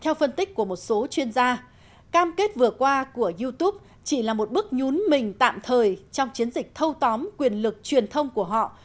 theo phân tích của một số chuyên gia cam kết vừa qua của youtube chỉ là một bước nhún mình tạm thời trong chiến dịch thâu tóm quyền lực truyền thông của họ